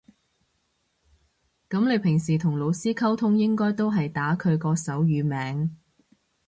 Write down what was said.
噉你平時同老師溝通應該都係打佢個手語名